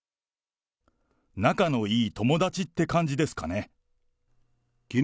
仲のいい友達っていう感じですかね。